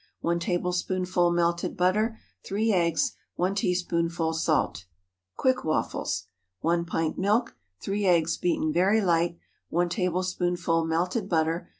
1 tablespoonful melted butter. 3 eggs. 1 teaspoonful salt. QUICK WAFFLES. 1 pint milk. 3 eggs, beaten very light. 1 tablespoonful melted butter.